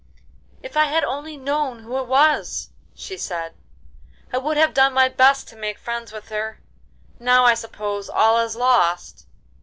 'If I had only known who it was,' she said, 'I would have done my best to make friends with her; now I suppose all is lost.